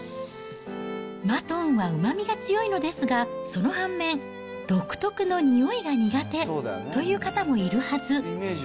マトンはうまみが強いのですが、その反面、独特のにおいが苦手という方もいるはず。